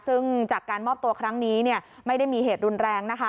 ซึ่งจากการมอบตัวครั้งนี้ไม่ได้มีเหตุรุนแรงนะคะ